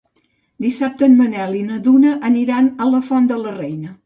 Dissabte en Manel i na Duna aniran a la Font de la Reina.